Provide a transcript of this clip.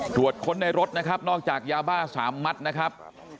ตรวจค้นในรถนะครับนอกจากยาบ้า๓มัดนะครับ